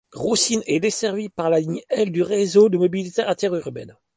Roussines est desservie par la ligne L du Réseau de mobilité interurbaine.